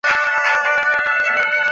瓦索伊。